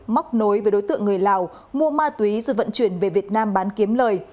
móc nối với đối tượng người lào mua ma túy rồi vận chuyển về việt nam bán kiếm lời